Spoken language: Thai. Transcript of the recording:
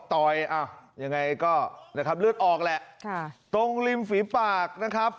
ต่อยอ้าวยังไงก็นะครับเลือดออกแหละค่ะตรงริมฝีปากนะครับ